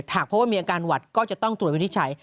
หากพบว่ามีอาการหวัดก็จะต้องตรวจวินิจฉัย